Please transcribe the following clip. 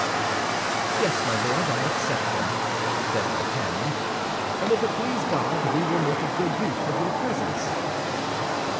"Yes, my Lord, I accept them," said D'Artagnan; "and if it please God, we will make a good use of your presents."